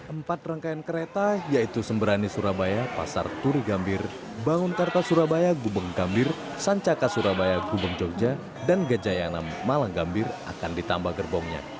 empat rangkaian kereta yaitu sembrani surabaya pasar turi gambir bangunkarta surabaya gubeng gambir sancaka surabaya gubeng jogja dan gajayanam malang gambir akan ditambah gerbongnya